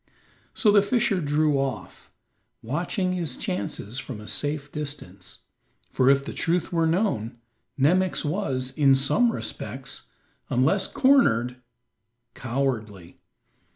So the fisher drew off, watching his chances from a safe distance, for, if the truth were known, Nemox was, in some respects, unless cornered, cowardly.